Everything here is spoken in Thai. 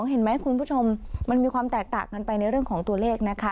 เห็นไหมคุณผู้ชมมันมีความแตกต่างกันไปในเรื่องของตัวเลขนะคะ